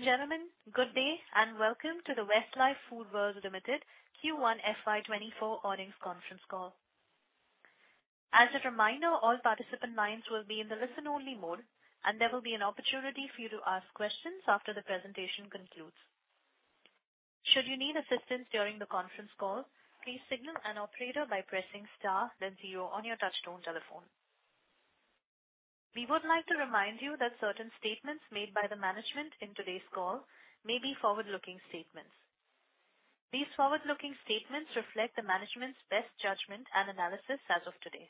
Ladies and gentlemen, good day, and welcome to the Westlife Foodworld Limited Q1 FY 2024 earnings conference call. As a reminder, all participant lines will be in the listen-only mode, and there will be an opportunity for you to ask questions after the presentation concludes. Should you need assistance during the conference call, please signal an operator by pressing star then zero on your touchtone telephone. We would like to remind you that certain statements made by the management in today's call may be forward-looking statements. These forward-looking statements reflect the management's best judgment and analysis as of today.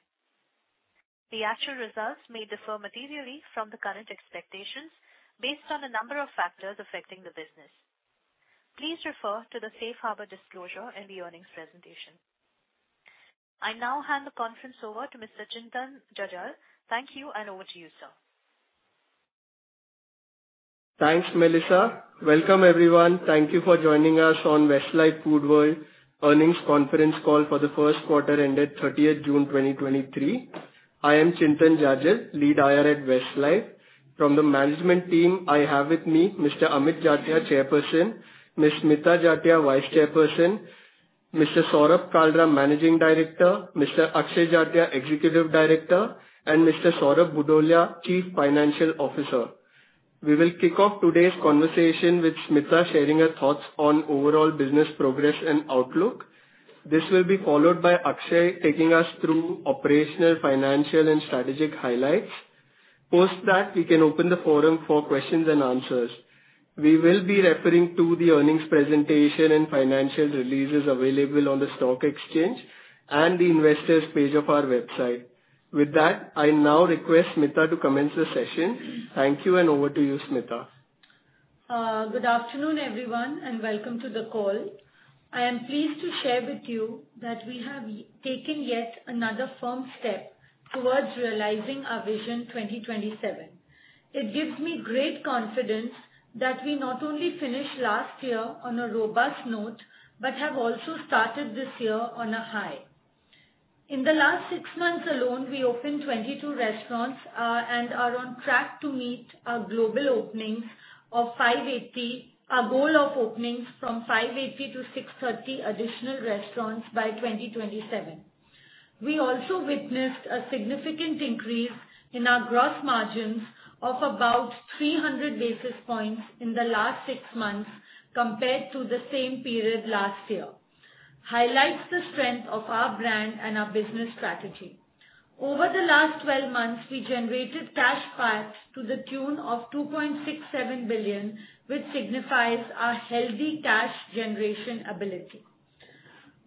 The actual results may differ materially from the current expectations based on a number of factors affecting the business. Please refer to the Safe Harbor disclosure in the earnings presentation. I now hand the conference over to Mr. Chintan Jajal. Thank you, and over to you, sir. Thanks, Melissa. Welcome, everyone. Thank you for joining us on Westlife Foodworld earnings conference call for the first quarter ended 30th June 2023. I am Chintan Jajal, Lead IR at Westlife. From the management team, I have with me Mr. Amit Jatia, Chairperson, Ms. Smita Jatia, Vice Chairperson, Mr. Saurabh Kalra, Managing Director, Mr. Akshay Jatia, Executive Director, and Mr. Saurabh Bhudolia, Chief Financial Officer. We will kick off today's conversation with Smita sharing her thoughts on overall business progress and outlook. This will be followed by Akshay taking us through operational, financial, and strategic highlights. Post that, we can open the forum for questions and answers. We will be referring to the earnings presentation and financial releases available on the stock exchange and the investors page of our website. With that, I now request Smita to commence the session. Thank you, over to you, Smita. Good afternoon, everyone, welcome to the call. I am pleased to share with you that we have taken yet another firm step towards realizing our Vision 2027. It gives me great confidence that we not only finished last year on a robust note but have also started this year on a high. In the last six months alone, we opened 22 restaurants, and are on track to meet our global openings of 580. Our goal of openings from 580 to 630 additional restaurants by 2027. We also witnessed a significant increase in our gross margins of about 300 basis points in the last six months compared to the same period last year. Highlights the strength of our brand and our business strategy. Over the last 12 months, we generated cash flow to the tune of 2.67 billion, which signifies our healthy cash generation ability.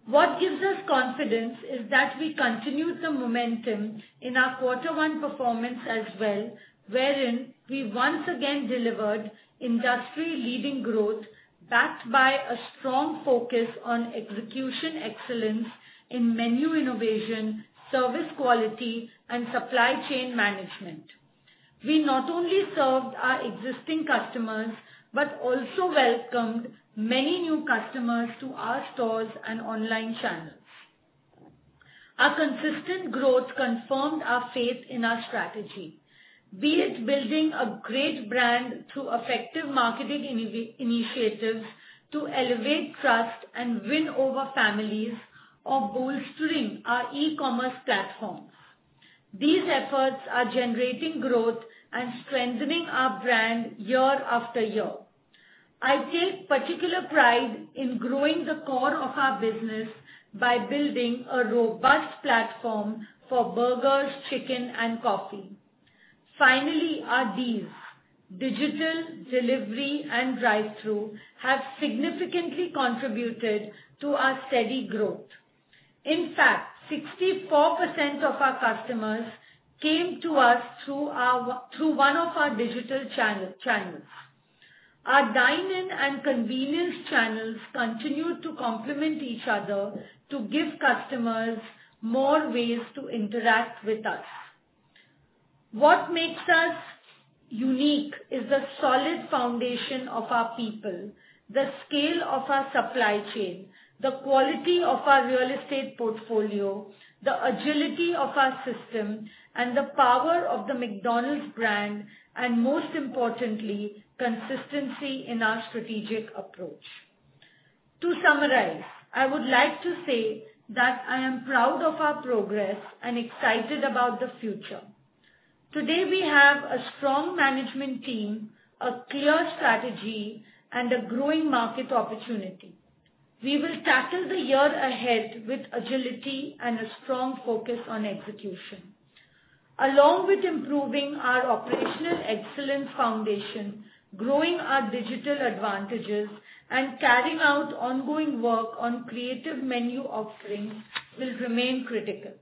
What gives us confidence is that we continued the momentum in our Quarter One performance as well, wherein we once again delivered industry-leading growth, backed by a strong focus on execution excellence in menu innovation, service quality, and supply chain management. We not only served our existing customers but also welcomed many new customers to our stores and online channels. Our consistent growth confirmed our faith in our strategy, be it building a great brand through effective marketing initiatives to elevate trust and win over families or bolstering our e-commerce platforms. These efforts are generating growth and strengthening our brand year after year. I take particular pride in growing the core of our business by building a robust platform for burgers, chicken, and coffee. Finally, our D's, digital, delivery, and drive-through, have significantly contributed to our steady growth. In fact, 64% of our customers came to us through one of our digital channels. Our dine-in and convenience channels continue to complement each other to give customers more ways to interact with us. What makes us unique is the solid foundation of our people, the scale of our supply chain, the quality of our real estate portfolio, the agility of our system, and the power of the McDonald's brand, and most importantly, consistency in our strategic approach. To summarize, I would like to say that I am proud of our progress and excited about the future. Today, we have a strong management team, a clear strategy, and a growing market opportunity. We will tackle the year ahead with agility and a strong focus on execution. Along with improving our operational excellence foundation, growing our digital advantages, and carrying out ongoing work on creative menu offerings will remain critical.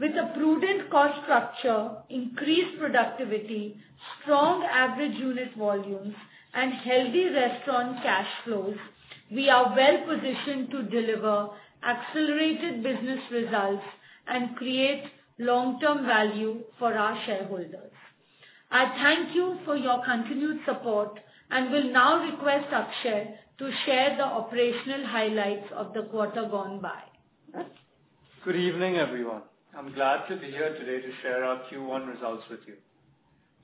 With a prudent cost structure, increased productivity, strong average unit volumes, and healthy restaurant cash flows, we are well positioned to deliver accelerated business results and create long-term value for our shareholders. I thank you for your continued support and will now request Akshay to share the operational highlights of the quarter gone by. Good evening, everyone. I'm glad to be here today to share our Q1 results with you.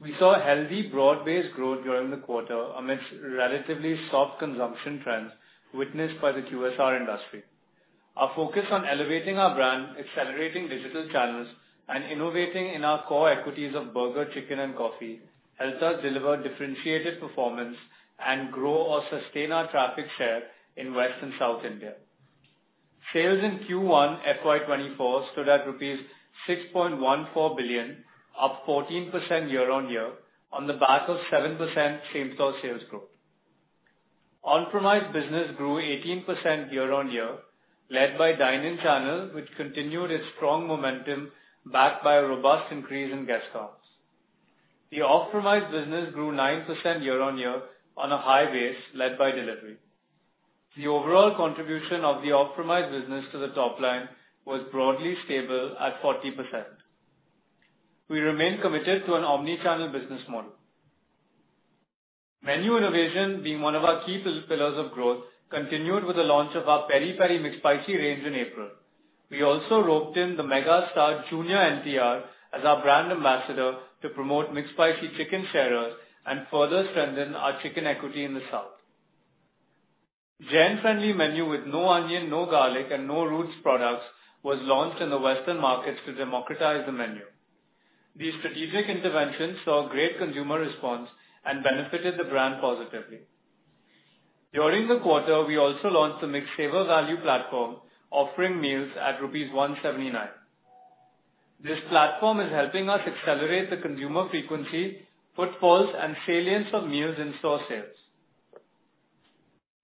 We saw a healthy, broad-based growth during the quarter amidst relatively soft consumption trends witnessed by the QSR industry. Our focus on elevating our brand, accelerating digital channels, and innovating in our core equities of burger, chicken, and coffee, helped us deliver differentiated performance and grow or sustain our traffic share in West and South India. Sales in Q1 FY 2024 stood at rupees 6.14 billion, up 14% year-on-year on the back of 7% same-store sales growth. On-premise business grew 18% year-on-year, led by dine-in channel, which continued its strong momentum, backed by a robust increase in guest counts. The off-premise business grew 9% year-on-year on a high base, led by delivery. The overall contribution of the off-premise business to the top line was broadly stable at 40%. We remain committed to an omni-channel business model. Menu innovation, being one of our key pillars of growth, continued with the launch of our Piri Piri McSpicy range in April. We also roped in the Mega Star Jr NTR as our brand ambassador to promote McSpicy chicken sharers and further strengthen our chicken equity in the South. Jain-friendly menu with no onion, no garlic, and no roots products was launched in the Western markets to democratize the menu. These strategic interventions saw great consumer response and benefited the brand positively. During the quarter, we also launched the McSaver Value platform, offering meals at rupees 179. This platform is helping us accelerate the consumer frequency, footfalls, and salience of meals in-store sales.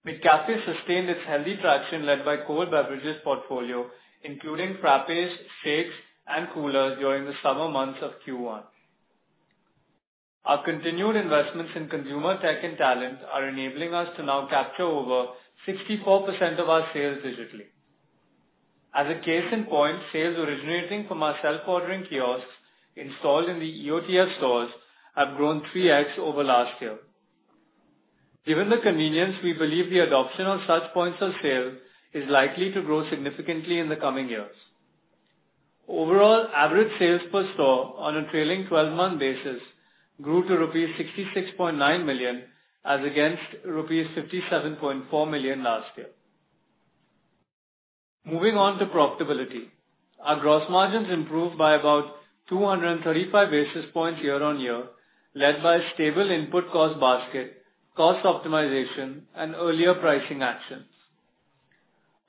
McCafé sustained its healthy traction, led by cold beverages portfolio, including frappes, shakes, and coolers during the summer months of Q1. Our continued investments in consumer tech and talent are enabling us to now capture over 64% of our sales digitally. As a case in point, sales originating from our self-ordering kiosks installed in the EOTF stores have grown 3x over last year. Given the convenience, we believe the adoption of such points of sale is likely to grow significantly in the coming years. Overall, average sales per store on a trailing 12-month basis grew to rupees 66.9 million as against rupees 57.4 million last year. Moving on to profitability. Our gross margins improved by about 235 basis points year-on-year, led by stable input cost basket, cost optimization, and earlier pricing actions.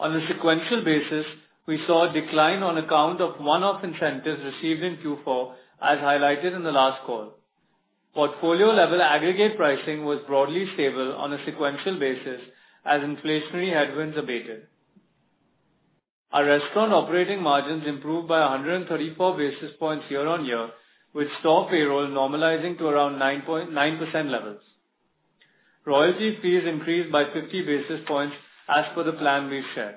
On a sequential basis, we saw a decline on account of one-off incentives received in Q4, as highlighted in the last call. Portfolio-level aggregate pricing was broadly stable on a sequential basis as inflationary headwinds abated. Our restaurant operating margins improved by 134 basis points year-on-year, with store payroll normalizing to around 9% levels. Royalty fees increased by 50 basis points as per the plan we've shared.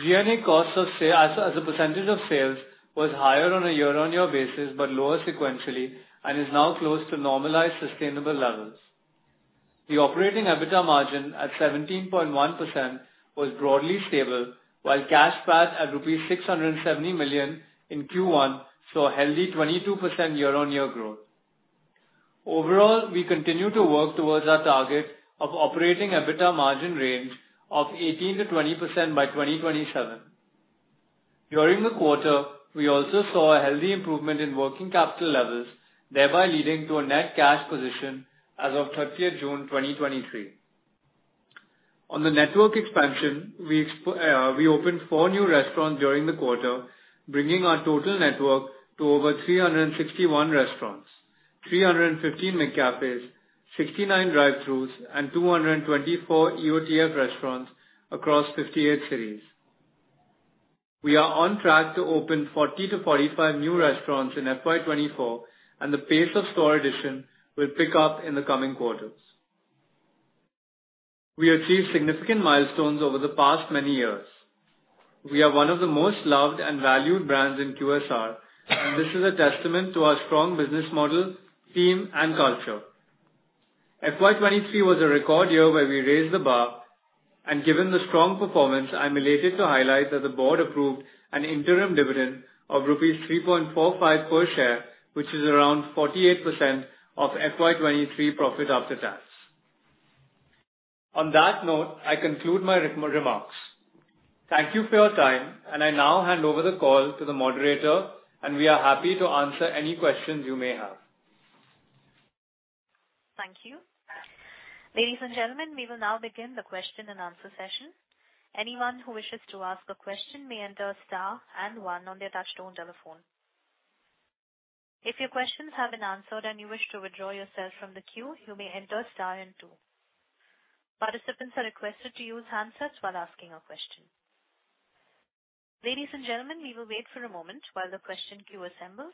G&A costs as a percentage of sales, was higher on a year-on-year basis, but lower sequentially, and is now close to normalized, sustainable levels. The operating EBITDA margin at 17.1% was broadly stable, while cash PAT at 670 million rupees in Q1, saw a healthy 22% year-on-year growth. Overall, we continue to work towards our target of operating EBITDA margin range of 18%-20% by 2027. During the quarter, we also saw a healthy improvement in working capital levels, thereby leading to a net cash position as of 30th June 2023. On the network expansion, we opened four new restaurants during the quarter, bringing our total network to over 361 restaurants, 315 McCafés, 69 drive-throughs, and 224 EOTF restaurants across 58 cities. We are on track to open 40-45 new restaurants in FY 2024, and the pace of store addition will pick up in the coming quarters. We achieved significant milestones over the past many years. We are one of the most loved and valued brands in QSR. This is a testament to our strong business model, team, and culture. FY 2023 was a record year where we raised the bar. Given the strong performance, I'm delighted to highlight that the board approved an interim dividend of rupees 3.45 per share, which is around 48% of FY 2023 profit after tax. On that note, I conclude my remarks. Thank you for your time. I now hand over the call to the moderator. We are happy to answer any questions you may have. Thank you. Ladies and gentlemen, we will now begin the question-and-answer session. Anyone who wishes to ask a question may enter star and one on their touchtone telephone. If your questions have been answered and you wish to withdraw yourself from the queue, you may enter star and two. Participants are requested to use handsets while asking a question. Ladies and gentlemen, we will wait for a moment while the question queue assembles.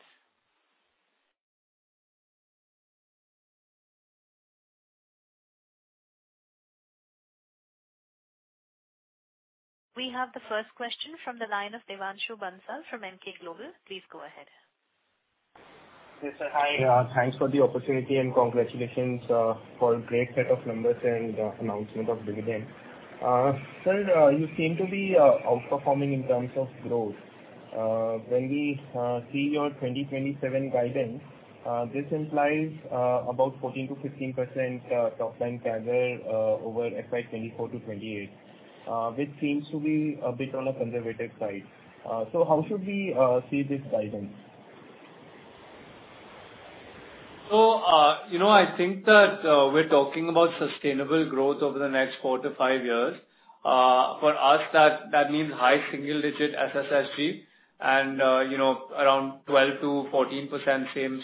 We have the first question from the line of Devanshu Bansal from Emkay Global. Please go ahead. Yes, sir. Hi, thanks for the opportunity, and congratulations, for a great set of numbers and, announcement of dividend. Sir, you seem to be outperforming in terms of growth. When we see your 2027 guidance, this implies about 14%-15% top line CAGR over FY 2024 to 2028, which seems to be a bit on the conservative side. How should we see this guidance? You know, I think that we're talking about sustainable growth over the next four to five years. For us, that means high single-digit SSSG and, you know, around 12%-14% same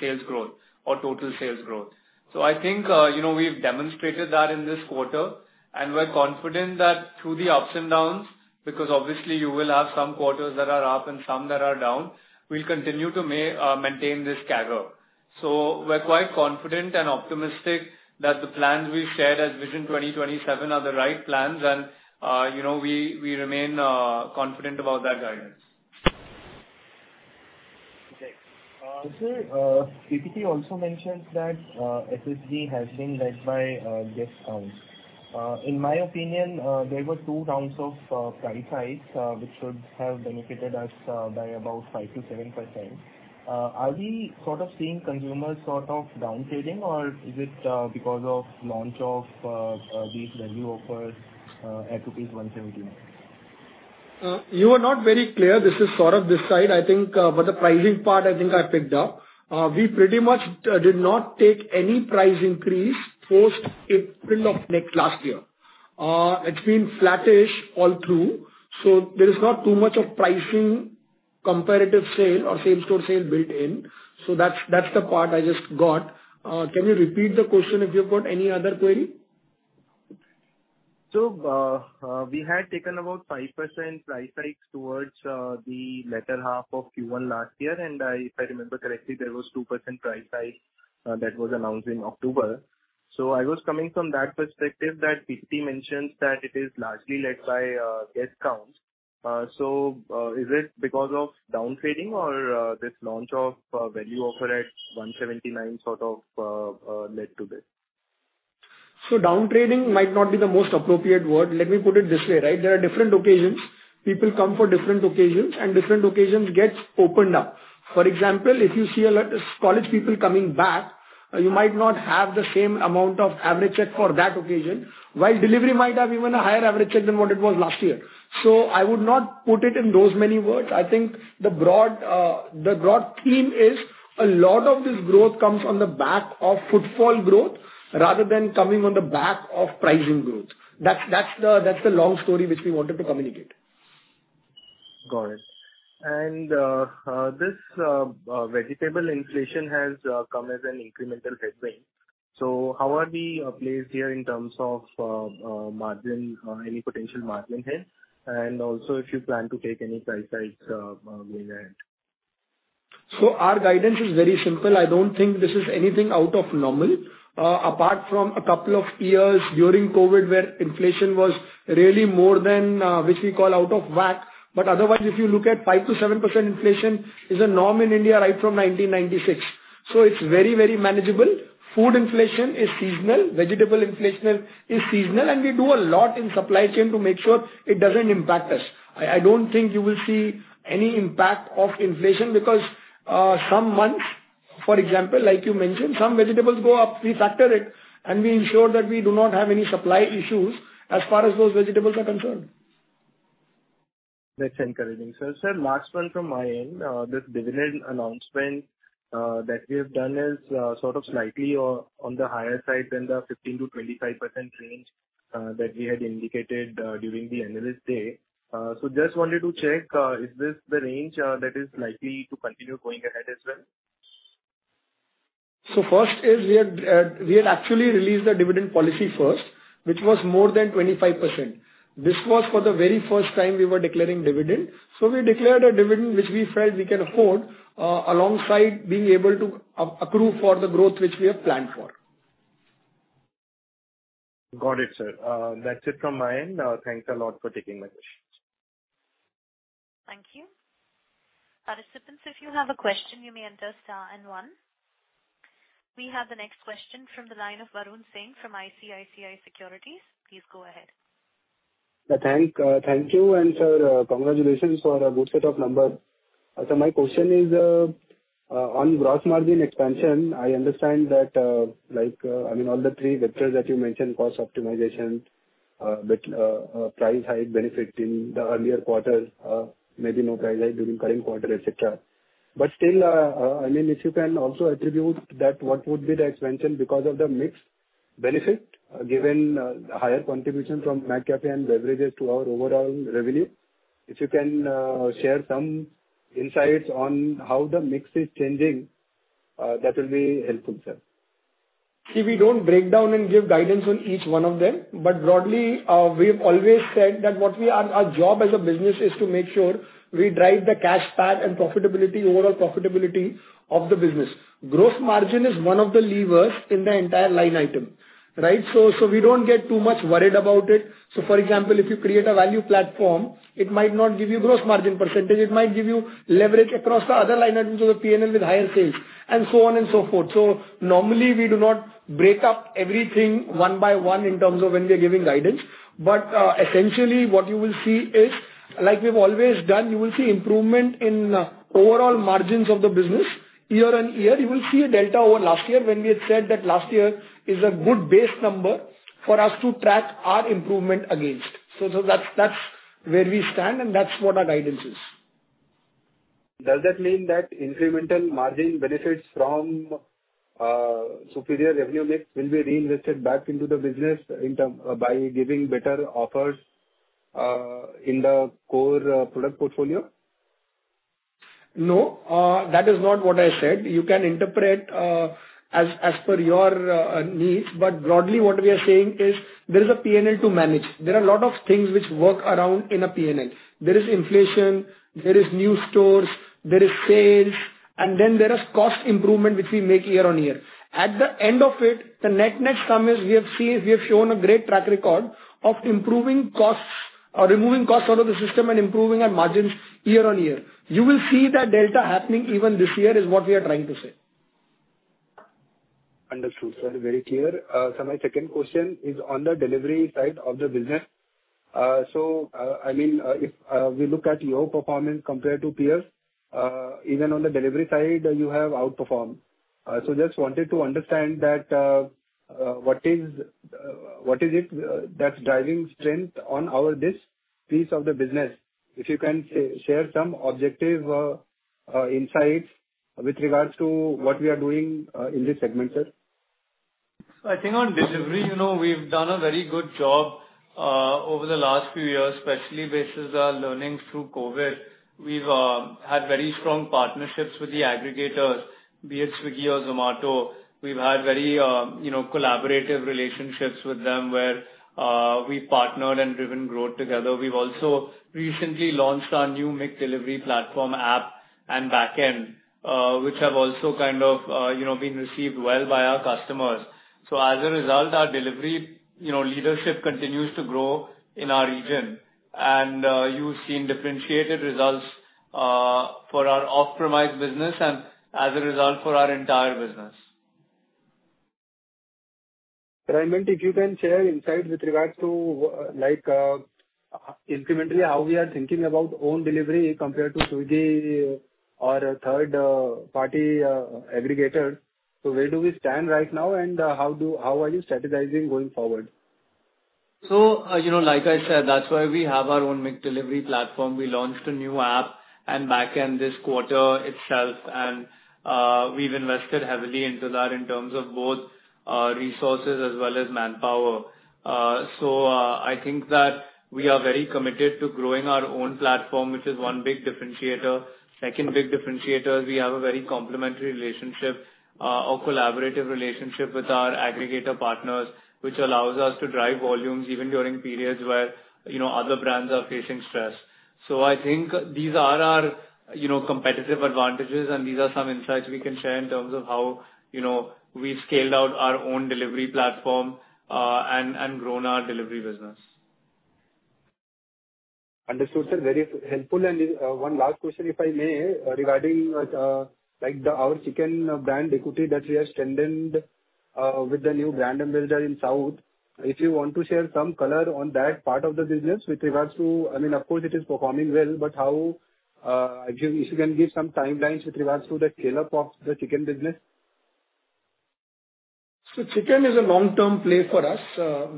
sales growth or total sales growth. I think, you know, we've demonstrated that in this quarter, and we're confident that through the ups and downs, because obviously you will have some quarters that are up and some that are down, we'll continue to maintain this CAGR. We're quite confident and optimistic that the plans we've shared as Vision 2027 are the right plans, and, you know, we remain confident about that guidance. Okay. Sir, PPT also mentions that SSG has been led by guest counts. In my opinion, there were two rounds of price hikes, which should have benefited us by about 5%-7%. Are we sort of seeing consumers sort of downtrading, or is it because of launch of these value offers at rupees 179? You are not very clear. This is Saurabh this side. I think, the pricing part, I think I picked up. We pretty much did not take any price increase post April of last year. It's been flattish all through, so there is not too much of pricing, comparative sale or same-store sale built in. That's the part I just got. Can you repeat the question if you've got any other query? We had taken about 5% price hikes towards the latter half of Q1 last year, and if I remember correctly, there was 2% price hike that was announced in October. I was coming from that perspective that PPT mentions that it is largely led by guest counts. Is it because of downtrading or this launch of value offer at 179 sort of led to this? Downtrading might not be the most appropriate word. Let me put it this way, right. There are different occasions. People come for different occasions, and different occasions gets opened up. For example, if you see a lot of college people coming back, you might not have the same amount of average check for that occasion, while delivery might have even a higher average check than what it was last year. I would not put it in those many words. I think the broad, the broad theme is a lot of this growth comes on the back of footfall growth rather than coming on the back of pricing growth. That's, that's the, that's the long story which we wanted to communicate. Got it. This vegetable inflation has come as an incremental headwind. How are we placed here in terms of margin, any potential margin here? Also if you plan to take any price hikes going ahead. Our guidance is very simple. I don't think this is anything out of normal. Apart from a couple of years during COVID, where inflation was really more than, which we call out of whack. Otherwise, if you look at 5%-7% inflation is a norm in India, right from 1996. It's very, very manageable. Food inflation is seasonal, vegetable inflation is seasonal, and we do a lot in supply chain to make sure it doesn't impact us. I don't think you will see any impact of inflation because, some months, for example, like you mentioned, some vegetables go up, we factor it, and we ensure that we do not have any supply issues as far as those vegetables are concerned. That's encouraging, sir. Sir, last one from my end. This dividend announcement that we have done is sort of slightly or on the higher side than the 15%-25% range that we had indicated during the analyst day. Just wanted to check, is this the range that is likely to continue going ahead as well? First is we had, we had actually released the dividend policy first, which was more than 25%. This was for the very first time we were declaring dividend. We declared a dividend which we felt we can afford alongside being able to accrue for the growth which we have planned for. Got it, sir. That's it from my end. Thanks a lot for taking my questions. Thank you. Participants, if you have a question, you may enter star and one. We have the next question from the line of Varun Singh from ICICI Securities. Please go ahead. Thank you, sir. Congratulations for a good set of numbers. My question is on gross margin expansion. I understand that, like, I mean, all the three vectors that you mentioned: cost optimization, but price hike benefit in the earlier quarters, maybe no price hike during current quarter, et cetera. Still, I mean, if you can also attribute that, what would be the expansion because of the mix benefit, given the higher contribution from McCafé and beverages to our overall revenue? If you can share some insights on how the mix is changing, that will be helpful, sir. We don't break down and give guidance on each one of them, broadly, we've always said that our job as a business is to make sure we drive the cash back and overall profitability of the business. Gross margin is one of the levers in the entire line item, right? We don't get too much worried about it. For example, if you create a value platform, it might not give you gross margin percentage, it might give you leverage across the other line items of the P&L with higher sales, and so on and so forth. Normally, we do not break up everything one by one in terms of when we are giving guidance. Essentially what you will see is like we've always done, you will see improvement in overall margins of the business year-on-year. You will see a Delta over last year when we had said that last year is a good base number for us to track our improvement against. That's where we stand, and that's what our guidance is. Does that mean that incremental margin benefits from superior revenue mix will be reinvested back into the business by giving better offers in the core product portfolio? No, that is not what I said. You can interpret as per your needs, but broadly, what we are saying is there is a P&L to manage. There are a lot of things which work around in a P&L. There is inflation, there is new stores, there is sales, and then there is cost improvement, which we make year-on-year. At the end of it, the net-net sum is we have shown a great track record of improving costs or removing costs out of the system and improving our margins year-on-year. You will see that Delta happening even this year, is what we are trying to say. Understood, sir. Very clear. My second question is on the delivery side of the business. I mean, if we look at your performance compared to peers, even on the delivery side, you have outperformed. Just wanted to understand that, what is what is it that's driving strength on our this piece of the business? If you can share some objective insights with regards to what we are doing in this segment, sir. I think on delivery, you know, we've done a very good job over the last few years, especially based as our learnings through COVID. We've had very strong partnerships with the aggregators, be it Swiggy or Zomato. We've had very, you know, collaborative relationships with them, where we've partnered and driven growth together. We've also recently launched our new McDelivery platform app and backend, which have also kind of, you know, been received well by our customers. As a result, our delivery, you know, leadership continues to grow in our region, and you've seen differentiated results for our off-premise business and, as a result, for our entire business. Sir, I meant if you can share insights with regards to like, incrementally, how we are thinking about own delivery compared to Swiggy or a third-party aggregator. Where do we stand right now, and how are you strategizing going forward? You know, like I said, that's why we have our own McDelivery platform. We launched a new app and backend this quarter itself, and we've invested heavily into that in terms of both resources as well as Manpower. I think that we are very committed to growing our own platform, which is one big differentiator. Second big differentiator is we have a very complementary relationship or collaborative relationship with our aggregator partners, which allows us to drive volumes even during periods where, you know, other brands are facing stress. I think these are our, you know, competitive advantages, and these are some insights we can share in terms of how, you know, we've scaled out our own delivery platform and grown our delivery business. Understood, sir. Very helpful. One last question, if I may, regarding our chicken brand equity that we have strengthened with the new brand ambassador in South. If you want to share some color on that part of the business with regards to. I mean, of course it is performing well, but how if you can give some timelines with regards to the scale-up of the chicken business? Chicken is a long-term play for us.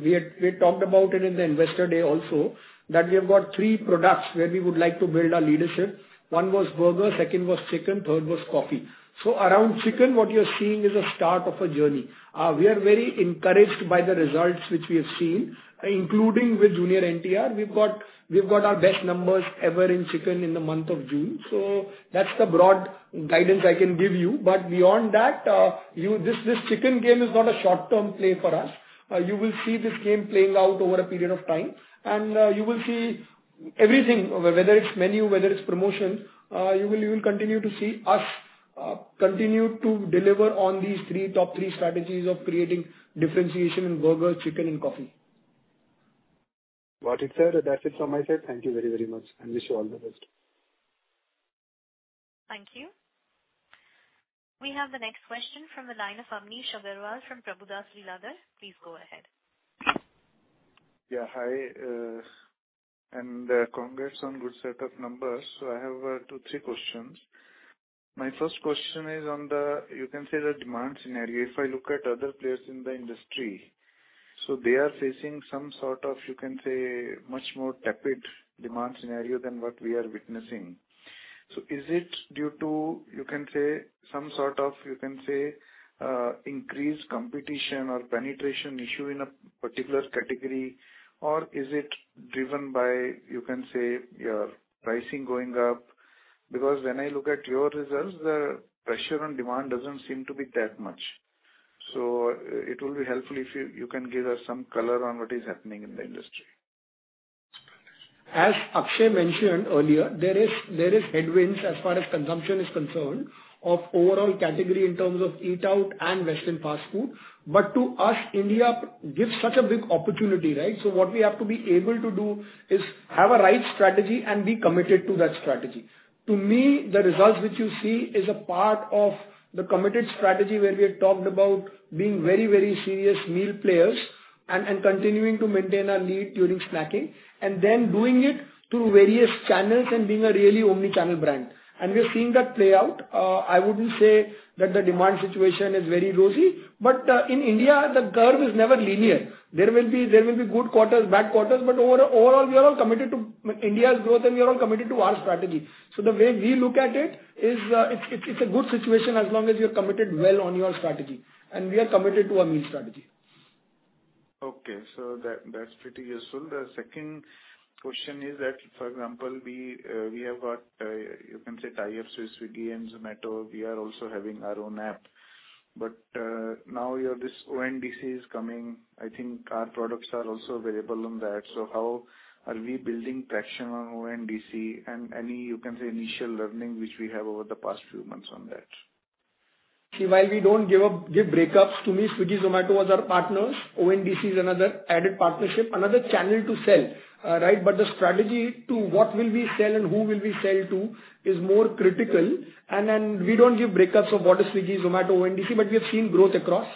We talked about it in the Investor Day also, that we have got three products where we would like to build our leadership. One was burger, second was chicken, third was coffee. Around chicken, what you're seeing is a start of a journey. We are very encouraged by the results which we have seen, including with Junior NTR. We've got our best numbers ever in chicken in the month of June, that's the broad guidance I can give you. Beyond that, this chicken game is not a short-term play for us. You will see this game playing out over a period of time. You will see everything, whether it's menu, whether it's promotion, you will continue to see us continue to deliver on these three top three strategies of creating differentiation in burger, chicken and coffee. Got it, sir. That's it from my side. Thank you very, very much, and wish you all the best. Thank you. We have the next question from the line of Amnish Aggarwal from Prabhudas Lilladher. Please go ahead. Yeah, hi, and congrats on good set of numbers. I have two, three questions. My first question is on the, you can say, the demand scenario. If I look at other players in the industry, they are facing some sort of, you can say, much more tepid demand scenario than what we are witnessing. Is it due to, you can say, some sort of, you can say, increased competition or penetration issue in a particular category, or is it driven by, you can say, your pricing going up? Because when I look at your results, the pressure on demand doesn't seem to be that much. It will be helpful if you can give us some color on what is happening in the industry. As Akshay mentioned earlier, there is headwinds as far as consumption is concerned of overall category in terms of eat out and Western fast food. To us, India gives such a big opportunity, right? What we have to be able to do is have a right strategy and be committed to that strategy. To me, the results which you see is a part of the committed strategy, where we had talked about being very, very serious meal players and continuing to maintain our lead during snacking, and then doing it through various channels and being a really omni-channel brand. We are seeing that play out. I wouldn't say that the demand situation is very rosy, but in India, the curve is never linear. There will be good quarters, bad quarters, but overall, we are all committed to India's growth, and we are all committed to our strategy. The way we look at it is, it's a good situation as long as you're committed well on your strategy, and we are committed to our meal strategy. That's pretty useful. The second question is that, for example, we have got, you can say, tie-ups with Swiggy and Zomato. We are also having our own app. Now you have this ONDC is coming. I think our products are also available on that. How are we building traction on ONDC, and any, you can say, initial learning which we have over the past few months on that? While we don't give breakups, to me, Swiggy, Zomato are our partners. ONDC is another added partnership, another channel to sell, right? The strategy to what will we sell and who will we sell to is more critical. We don't give breakups of what is Swiggy, Zomato, ONDC, but we have seen growth across,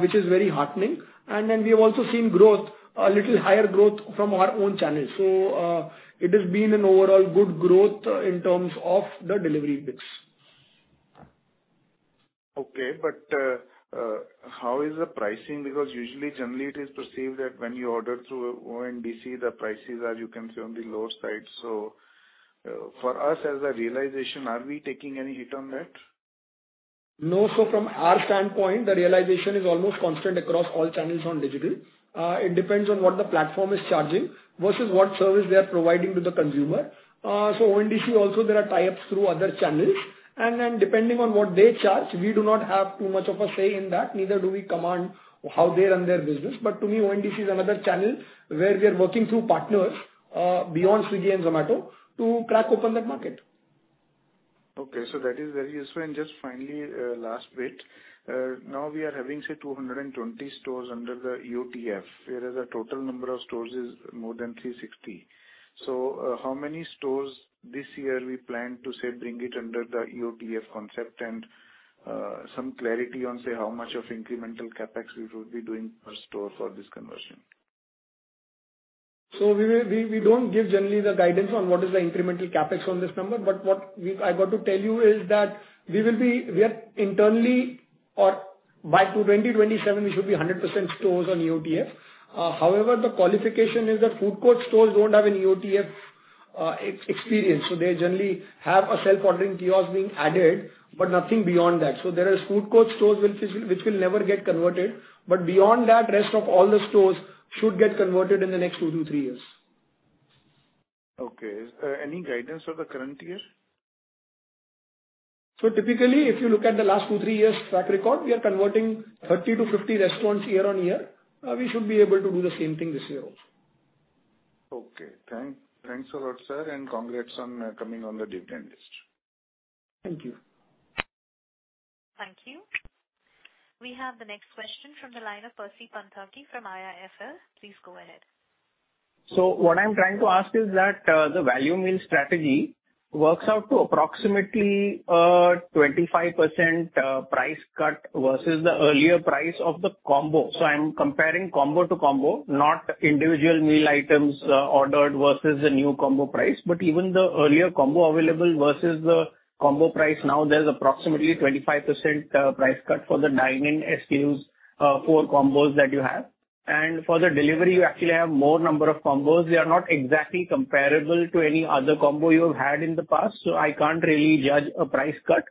which is very heartening. We have also seen growth, a little higher growth from our own channels. It has been an overall good growth in terms of the delivery bits. Okay, how is the pricing? Because usually, generally it is perceived that when you order through ONDC, the prices are, you can say, on the lower side. For us, as a realization, are we taking any hit on that? No. From our standpoint, the realization is almost constant across all channels on digital. It depends on what the platform is charging versus what service they are providing to the consumer. ONDC also, there are tie-ups through other channels, and then depending on what they charge, we do not have too much of a say in that, neither do we command how they run their business. To me, ONDC is another channel where we are working through partners, beyond Swiggy and Zomato, to crack open that market. Okay, that is very useful. Just finally, last bit. Now we are having, say, 220 stores under the EOTF, whereas the total number of stores is more than 360. How many stores this year we plan to, say, bring it under the EOTF concept? Some clarity on, say, how much of incremental CapEx we would be doing per store for this conversion. We don't give generally the guidance on what is the incremental CapEx on this number, but what I got to tell you is that we are internally or by 2027, we should be 100% stores on EOTF. However, the qualification is that food court stores don't have an EOTF experience, so they generally have a self-ordering kiosk being added, but nothing beyond that. There is food court stores which will never get converted, but beyond that, rest of all the stores should get converted in the next two to three years. Okay. Is there any guidance for the current year? Typically, if you look at the last two, three years' track record, we are converting 30 to 50 restaurants year-on-year. We should be able to do the same thing this year also. Okay. Thanks a lot, sir, and congrats on coming on the dividend list. Thank you. Thank you. We have the next question from the line of Percy Panthaki from IIFL. Please go ahead. What I'm trying to ask is that the value meal strategy works out to approximately 25% price cut versus the earlier price of the combo. I'm comparing combo to combo, not individual meal items ordered versus the new combo price. Even the earlier combo available versus the combo price now, there's approximately 25% price cut for the dine-in SKUs for combos that you have. For the delivery, you actually have more number of combos. They are not exactly comparable to any other combo you have had in the past, so I can't really judge a price cut.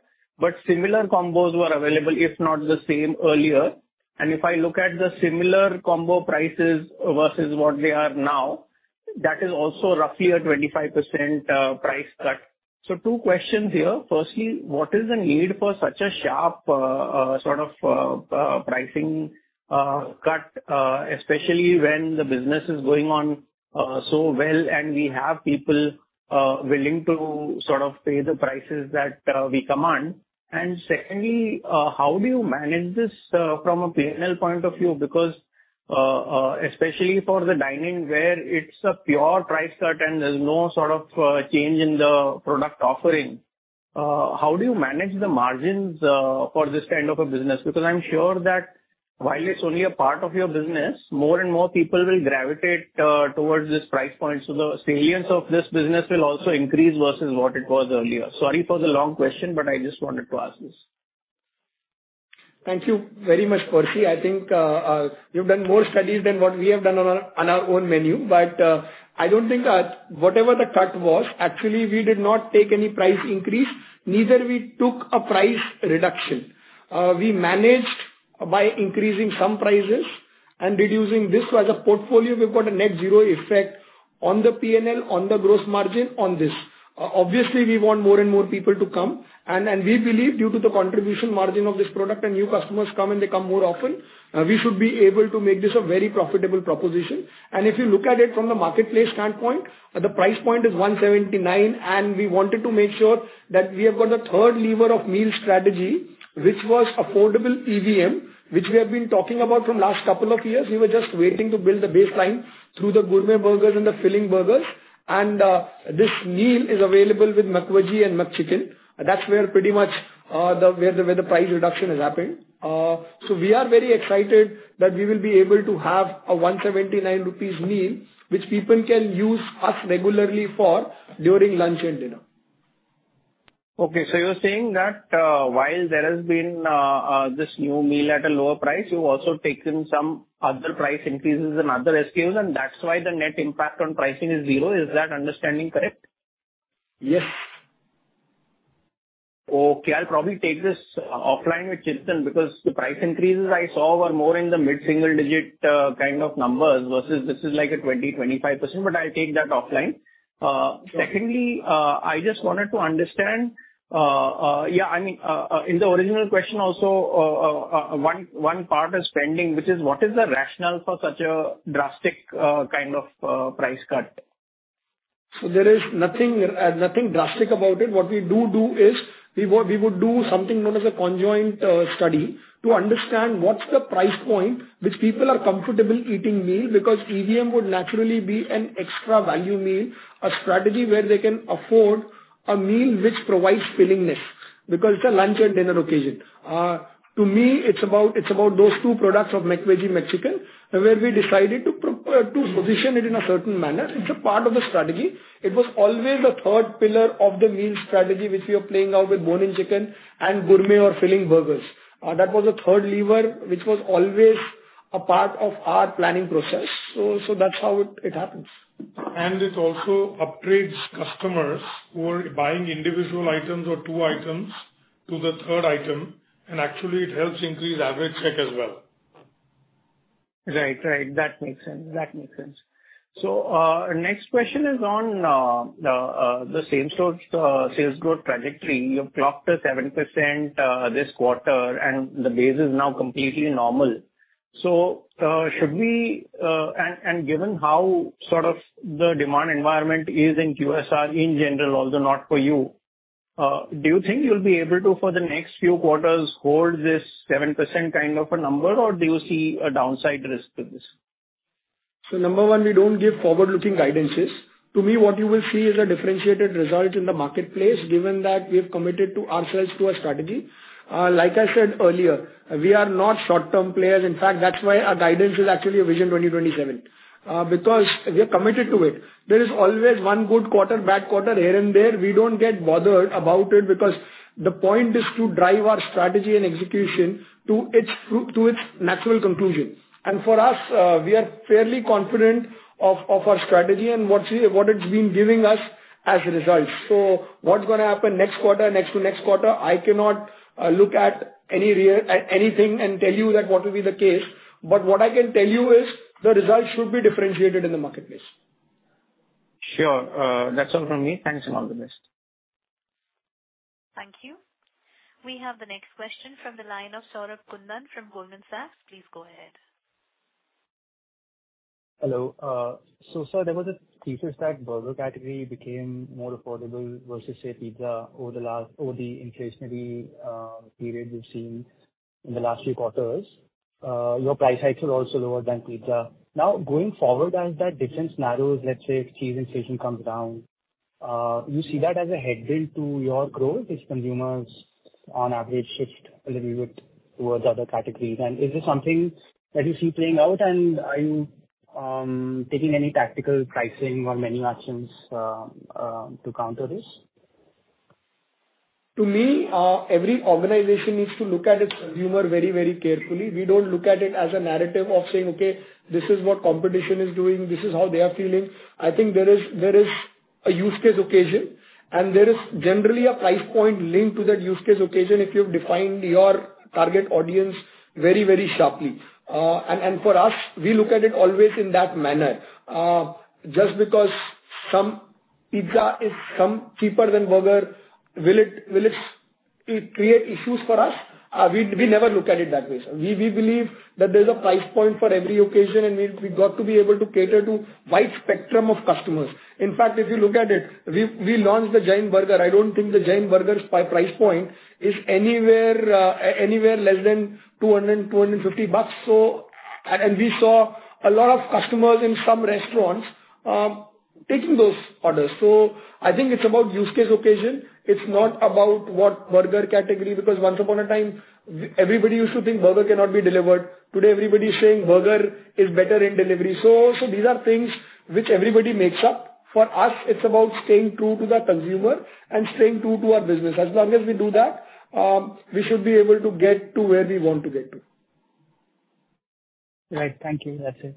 Similar combos were available, if not the same, earlier. If I look at the similar combo prices versus what they are now, that is also roughly a 25% price cut. Two questions here. Firstly, what is the need for such a sharp sort of pricing cut especially when the business is going on so well, and we have people willing to sort of pay the prices that we command? Secondly, how do you manage this from a P&L point of view? Because especially for the dine-in, where it's a pure price cut and there's no sort of change in the product offering, how do you manage the margins for this kind of a business? Because I'm sure that while it's only a part of your business, more and more people will gravitate towards this price point. The salience of this business will also increase versus what it was earlier. Sorry for the long question, but I just wanted to ask this. Thank you very much, Percy. I think you've done more studies than what we have done on our own menu. I don't think that whatever the cut was, actually, we did not take any price increase, neither we took a price reduction. We managed by increasing some prices and reducing this. As a portfolio, we've got a net zero effect on the P&L, on the gross margin on this. Obviously, we want more and more people to come, and we believe due to the contribution margin of this product and new customers come, and they come more often, we should be able to make this a very profitable proposition. If you look at it from the marketplace standpoint, the price point is 179, and we wanted to make sure that we have got the third lever of meal strategy, which was affordable EVM, which we have been talking about from last couple of years. We were just waiting to build the baseline through the gourmet burgers and the filling burgers. This meal is available with McVeggie and McChicken. That's where pretty much where the price reduction is happening. We are very excited that we will be able to have a 179 rupees meal, which people can use us regularly for during lunch and dinner. Okay. You're saying that, while there has been, this new meal at a lower price, you've also taken some other price increases in other SKUs, and that's why the net impact on pricing is zero. Is that understanding correct? Yes. Okay. I'll probably take this offline with Jiten, because the price increases I saw were more in the mid-single digit, kind of numbers, versus this is like a 20%-25%, but I'll take that offline. Secondly, I just wanted to understand, I mean, in the original question also, one part is spending, which is what is the rationale for such a drastic, kind of, price cut? There is nothing drastic about it. What we do is, we would do something known as a conjoint study to understand what's the price point which people are comfortable eating meal, because EVM would naturally be an extra value meal, a strategy where they can afford a meal which provides fillingness, because it's a lunch and dinner occasion. To me, it's about those two products of McVeggie, McChicken, where we decided to position it in a certain manner. It's a part of a strategy. It was always the third pillar of the meal strategy, which we are playing out with bone-in chicken and gourmet or filling burgers. That was the third lever, which was always a part of our planning process. That's how it happens. It also upgrades customers who are buying individual items or two items to the third item, and actually it helps increase average check as well. Right. Right. That makes sense. That makes sense. Next question is on the same-store sales growth trajectory. You've clocked a 7% this quarter, and the base is now completely normal. Should we given how sort of the demand environment is in QSR in general, although not for you, do you think you'll be able to, for the next few quarters, hold this 7% kind of a number, or do you see a downside risk to this? Number one, we don't give forward-looking guidances. To me, what you will see is a differentiated result in the marketplace, given that we have committed to ourselves to a strategy. Like I said earlier, we are not short-term players. In fact, that's why our guidance is actually a Vision 2027, because we are committed to it. There is always one good quarter, bad quarter, here and there. We don't get bothered about it because the point is to drive our strategy and execution to its natural conclusion. For us, we are fairly confident of our strategy and what it's been giving us as results. What's gonna happen next quarter, next to next quarter, I cannot look at anything and tell you that what will be the case. What I can tell you is the results should be differentiated in the marketplace. Sure. That's all from me. Thanks. All the best. Thank you. We have the next question from the line of Saurabh Kundan from Goldman Sachs. Please go ahead. Hello. Sir, there was a thesis that burger category became more affordable versus, say, pizza over the last, over the inflationary period we've seen in the last few quarters. Your price hikes were also lower than pizza. Now, going forward, as that difference narrows, let's say, if cheese inflation comes down, you see that as a headwind to your growth, as consumers on average shift a little bit towards other categories? Is this something that you see playing out, and are you taking any tactical pricing or menu actions to counter this? To me, every organization needs to look at its consumer very, very carefully. We don't look at it as a narrative of saying, "Okay, this is what competition is doing, this is how they are feeling." I think there is a use case occasion, and there is generally a price point linked to that use case occasion if you've defined your target audience very, very sharply. For us, we look at it always in that manner. Just because some pizza is cheaper than burger, will it create issues for us? We never look at it that way. We believe that there's a price point for every occasion, and we've got to be able to cater to wide spectrum of customers. In fact, if you look at it, we launched the Giant Burger. I don't think the Giant Burger's price point is anywhere less than INR 200-INR 250. We saw a lot of customers in some restaurants taking those orders. I think it's about use case occasion. It's not about what burger category, because once upon a time, everybody used to think burger cannot be delivered. Today, everybody is saying burger is better in delivery. These are things which everybody makes up. For us, it's about staying true to the consumer and staying true to our business. As long as we do that, we should be able to get to where we want to get to. Right. Thank you. That's it.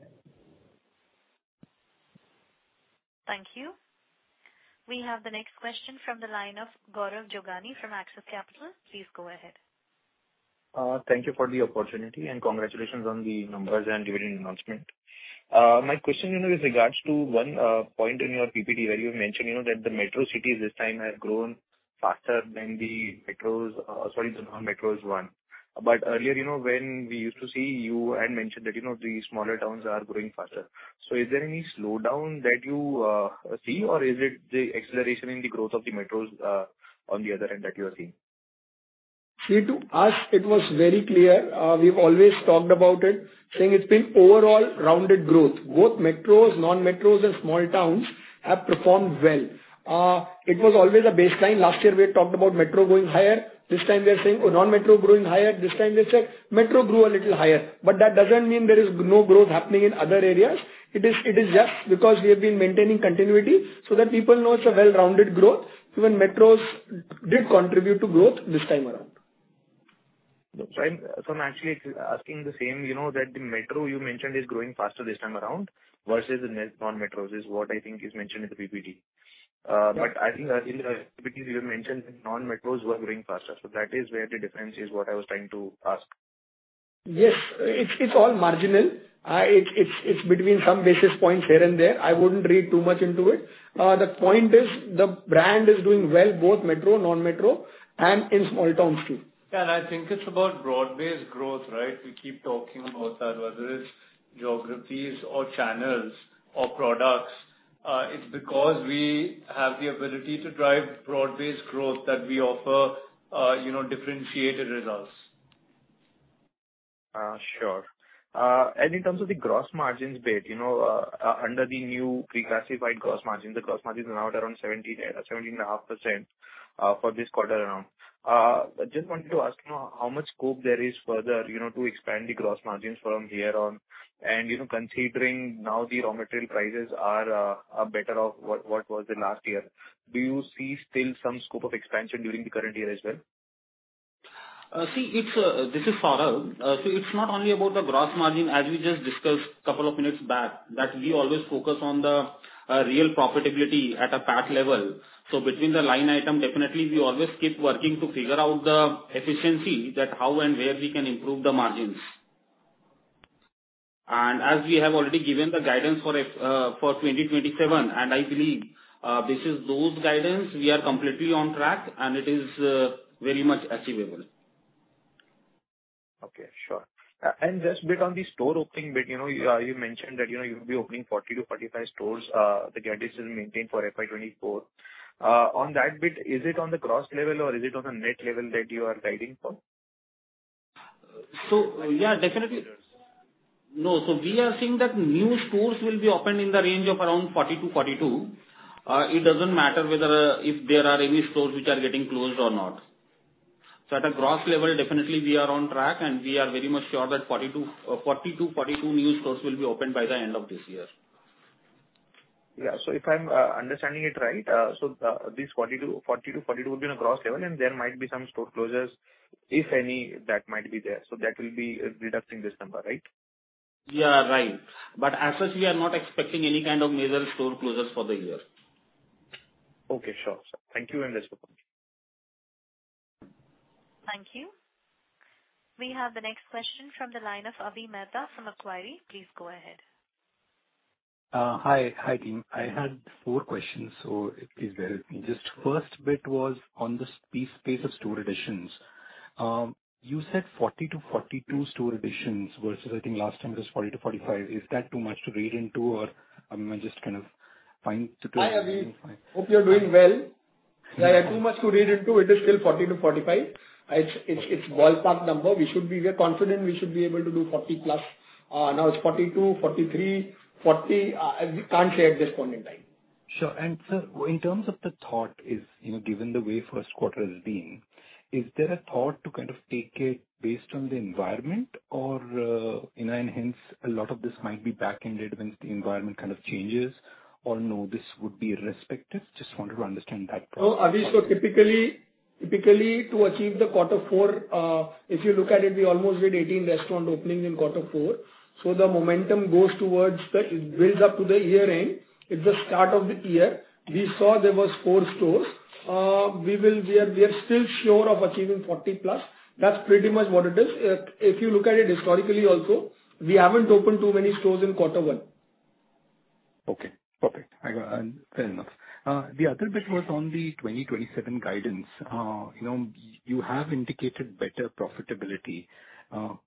Thank you. We have the next question from the line of Gaurav Jogani from Axis Capital. Please go ahead. Thank you for the opportunity, and congratulations on the numbers and dividend announcement. My question, you know, with regards to one point in your PPT, where you mentioned, you know, that the metro cities this time have grown faster than the metros, sorry, the non-metros one. Earlier, you know, when we used to see, you had mentioned that, you know, the smaller towns are growing faster. Is there any slowdown that you see, or is it the acceleration in the growth of the metros on the other end that you are seeing? See, to us, it was very clear. We've always talked about it, saying it's been overall rounded growth. Both metros, non-metros, and small towns have performed well. It was always a baseline. Last year we had talked about metro growing higher. This time we are saying, non-metro growing higher. This time we say metro grew a little higher. That doesn't mean there is no growth happening in other areas. It is just because we have been maintaining continuity so that people know it's a well-rounded growth, even metros did contribute to growth this time around. I'm actually asking the same, you know, that the metro you mentioned is growing faster this time around versus the net non-metros, is what I think is mentioned in the PPT. Yeah. I think earlier, because you had mentioned non-metros were growing faster, so that is where the difference is, what I was trying to ask. Yes, it's all marginal. It's between some basis points here and there. I wouldn't read too much into it. The point is, the brand is doing well, both metro, non-metro, and in small towns, too. I think it's about broad-based growth, right? We keep talking about that, whether it's geographies or channels or products, it's because we have the ability to drive broad-based growth that we offer, you know, differentiated results. Sure. In terms of the gross margins bit, you know, under the new reclassified gross margins, the gross margins are now at around 17.5% for this quarter around. I just wanted to ask, you know, how much scope there is further, you know, to expand the gross margins from here on? Considering now the raw material prices are better off what was the last year, do you see still some scope of expansion during the current year as well? See, it's, this is Saurabh. It's not only about the gross margin, as we just discussed couple of minutes back, that we always focus on the real profitability at a PAT level. Between the line item, definitely we always keep working to figure out the efficiency, that how and where we can improve the margins. As we have already given the guidance for 2027, and I believe, this is those guidance, we are completely on track, and it is very much achievable. Okay, sure. Just bit on the store opening bit, you know, you mentioned that, you know, you'll be opening 40-45 stores, the guidance is maintained for FY 2024. On that bit, is it on the gross level or is it on the net level that you are guiding for? Yeah, definitely. No, we are seeing that new stores will be opened in the range of around 40 to 42. It doesn't matter whether if there are any stores which are getting closed or not. At a gross level, definitely we are on track, and we are very much sure that 40 to 42 new stores will be opened by the end of this year. Yeah. If I'm understanding it right, so this 40-42 would be on a gross level, and there might be some store closures, if any, that might be there. That will be reducing this number, right? Yeah, right. As such, we are not expecting any kind of major store closures for the year. Okay, sure. Thank you, and that's okay. Thank you. We have the next question from the line of Avi Mehta from Acuity. Please go ahead. Hi. Hi, team. I had four questions, so please bear with me. Just first bit was on the space of store additions. You said 40-42 store additions, versus I think last time it was 40-45. Is that too much to read into or, I mean, just kind of find? Hi, Avi. Hope you're doing well. Yeah. Yeah, too much to read into, it is still 40 to 45. It's ballpark number. We're confident we should be able to do 40+. Now, it's 42, 43, 40, we can't say at this point in time. Sure. Sir, in terms of the thought is, you know, given the way first quarter has been, is there a thought to kind of take it based on the environment or, you know, and hence a lot of this might be backended once the environment kind of changes, or no, this would be respective? Just wanted to understand that part. Avi, typically to achieve the quarter four, if you look at it, we almost did 18 restaurant openings in quarter four. The momentum goes towards the. It builds up to the year-end. It's a start of the year. We saw there was four stores. We are still sure of achieving 40+. That's pretty much what it is. If you look at it historically also, we haven't opened too many stores in quarter 1. Okay. Perfect. Fair enough. The other bit was on the 2027 guidance. You know, you have indicated better profitability.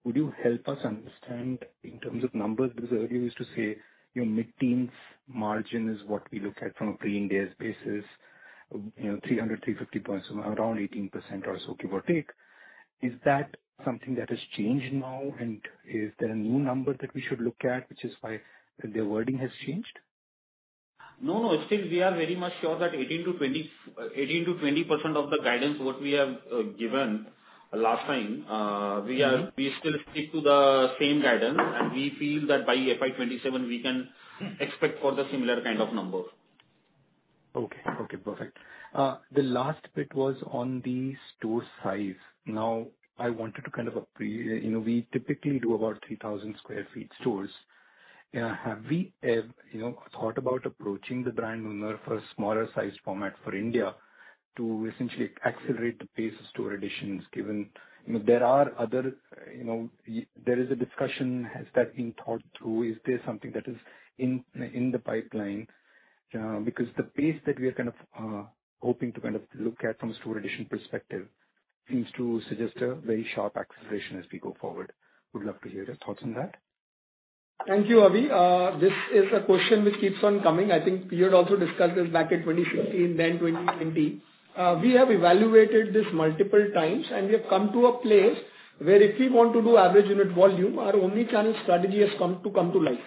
Would you help us understand in terms of numbers, because earlier you used to say your mid-teens margin is what we look at from a pre-Ind AS basis, you know, 300-350 points, around 18% or so, give or take. Is that something that has changed now? Is there a new number that we should look at, which is why the wording has changed? No, still we are very much sure that 18%-20% of the guidance, what we have given last time. We are, we still stick to the same guidance, and we feel that by FY 2027 we can expect for the similar kind of number. Okay. Okay, perfect. The last bit was on the store size. I wanted to kind of you know, we typically do about 3,000 sq ft stores. Have we, you know, thought about approaching the brand owner for a smaller size format for India to essentially accelerate the pace of store additions, given there are other, you know, there is a discussion, has that been thought through? Is there something that is in the pipeline? Because the pace that we are kind of hoping to kind of look at from a store addition perspective seems to suggest a very sharp acceleration as we go forward. Would love to hear your thoughts on that. Thank you, Avi. This is a question which keeps on coming. I think you had also discussed this back in 2016, 2017. We have evaluated this multiple times, we have come to a place where if we want to do average unit volume, our omnichannel strategy has come to life.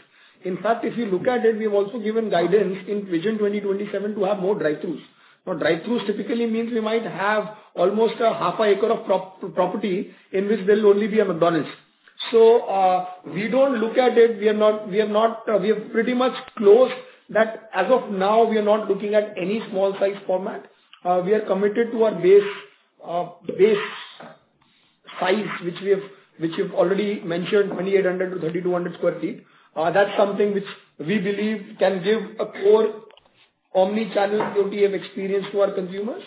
In fact, if you look at it, we have also given guidance in Vision 2027 to have more drive-throughs. Drive-throughs typically means we might have almost 1/2 acre of property in which there'll only be a McDonald's. We don't look at it. We are not. We have pretty much closed that. As of now, we are not looking at any small size format. We are committed to our base size, which we have, which you've already mentioned, 2,800-3,200 sq ft. That's something which we believe can give a core omnichannel QDF experience to our consumers.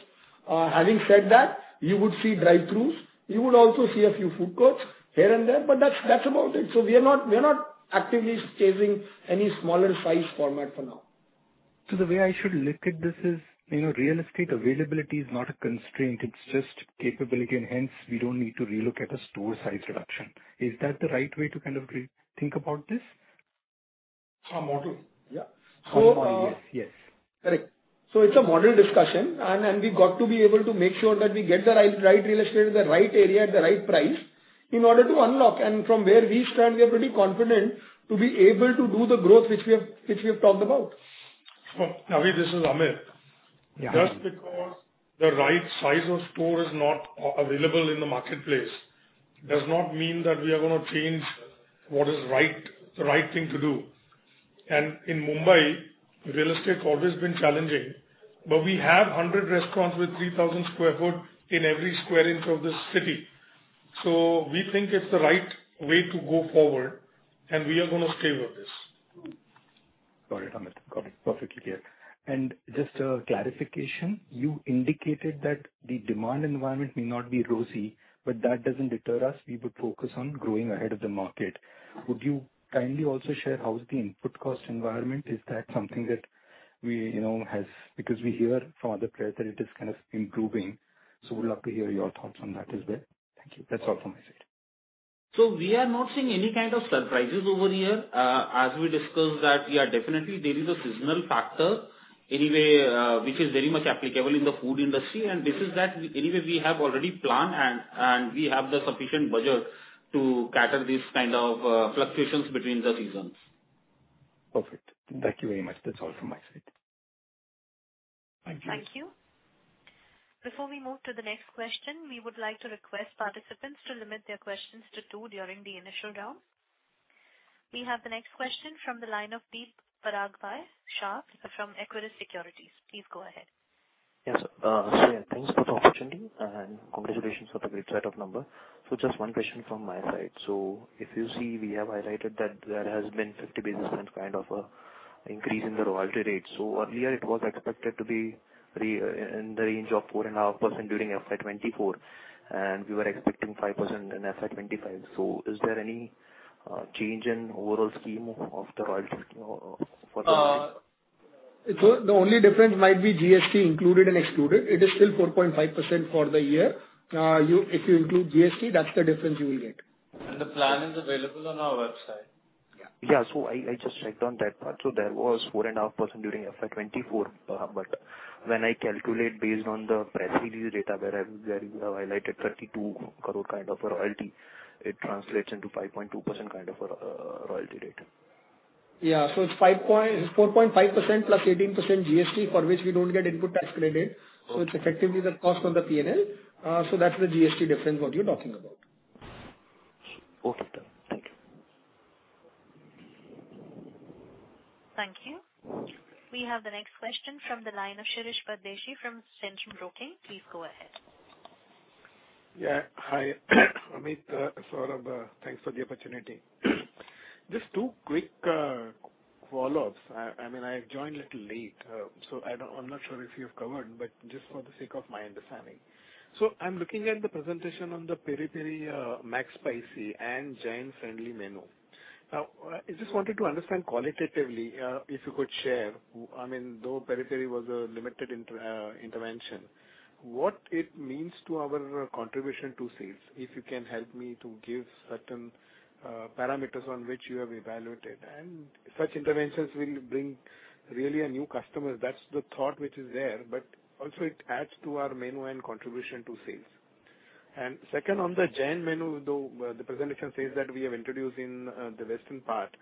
Having said that, you would see drive-throughs, you would also see a few food courts here and there, but that's about it. We are not actively chasing any smaller size format for now. The way I should look at this is, you know, real estate availability is not a constraint, it's just capability, and hence, we don't need to relook at a store size reduction. Is that the right way to kind of rethink about this? Our model? Yeah. So, uh- Yes, yes. Correct. It's a model discussion, and we've got to be able to make sure that we get the right real estate in the right area at the right price in order to unlock. From where we stand, we are pretty confident to be able to do the growth which we have talked about. Avi, this is Amit. Yeah. Just because the right size of store is not available in the marketplace, does not mean that we are gonna change what is right, the right thing to do. In Mumbai, real estate always been challenging, but we have 100 restaurants with 3,000 sq ft in every square inch of this city. We think it's the right way to go forward, and we are gonna stay with this. Got it, Amit. Got it. Perfectly clear. Just a clarification: You indicated that the demand environment may not be rosy, but that doesn't deter us. We would focus on growing ahead of the market. Would you kindly also share how is the input cost environment? Is that something that we, you know? We hear from other players that it is kind of improving, so would love to hear your thoughts on that as well. Thank you. That's all from my side. We are not seeing any kind of surprises over here. As we discussed that, yeah, definitely there is a seasonal factor anyway, which is very much applicable in the food industry, and this is that anyway we have already planned, and we have the sufficient budget to cater these kind of fluctuations between the seasons. Perfect. Thank you very much. That's all from my side. Thank you. Thank you. Before we move to the next question, we would like to request participants to limit their questions to two during the initial round. We have the next question from the line of Deep Paragbhai Shah from Equirus Securities. Please go ahead. Yes, thanks for the opportunity, and congratulations for the great set of number. Just one question from my side: If you see, we have highlighted that there has been 50 basis points kind of a increase in the royalty rate. Earlier it was expected to be in the range of 4.5% during FY 2024, and we were expecting 5% in FY 2025. Is there any change in overall scheme of the royalty for the. The only difference might be GST included and excluded. It is still 4.5% for the year. You, if you include GST, that's the difference you will get. The plan is available on our website. Yeah. Yeah, I just checked on that part. There was 4.5% during FY 2024, but when I calculate based on the press release data where I, where you have highlighted 32 crore kind of a royalty, it translates into 5.2% kind of a royalty rate. Yeah. It's 4.5% + 18% GST, for which we don't get input tax credit. Okay. It's effectively the cost on the P&L. That's the GST difference what you're talking about. Okay. Thank you. Thank you. We have the next question from the line of Shirish Pardeshi from Centrum Broking. Please go ahead. Hi, Amit, Saurabh, thanks for the opportunity. Just two quick follow-ups. I mean, I joined little late, so I'm not sure if you have covered, but just for the sake of my understanding. I'm looking at the presentation on the Piri Piri McSpicy and Jain-friendly menu. I just wanted to understand qualitatively, if you could share, I mean, though Piri Piri was a limited intervention, what it means to our contribution to sales, if you can help me to give certain parameters on which you have evaluated, and such interventions will bring really a new customer. That's the thought which is there, but also it adds to our menu and contribution to sales. Second, on the Jain menu, though, the presentation says that we have introduced in, the western part,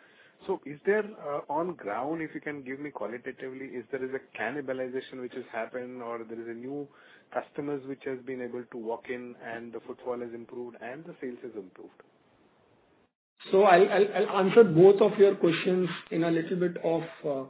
is there, on ground, if you can give me qualitatively, if there is a cannibalization which has happened or there is a new customers which has been able to walk in and the footfall has improved and the sales has improved? I'll answer both of your questions in a little bit of.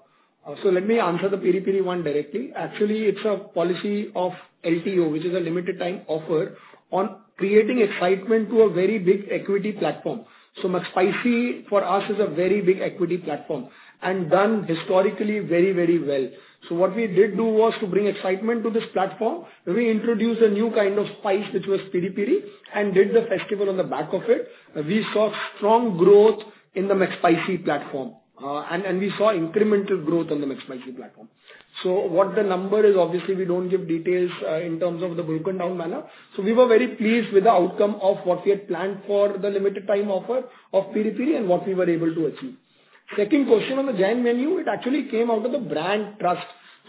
Let me answer the Piri Piri one directly. Actually, it's a policy of LTO, which is a limited time offer on creating excitement to a very big equity platform. McSpicy for us is a very big equity platform and done historically very, very well. What we did do was to bring excitement to this platform. We introduced a new kind of spice, which was Piri Piri, and did the festival on the back of it. We saw strong growth in the McSpicy platform, and we saw incremental growth on the McSpicy platform. What the number is, obviously, we don't give details in terms of the broken down manner. We were very pleased with the outcome of what we had planned for the limited time offer of Piri Piri and what we were able to achieve. Second question on the Jain menu, it actually came out of the brand trust.